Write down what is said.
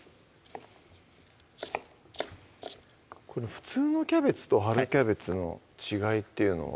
普通のキャベツと春キャベツの違いっていうのは？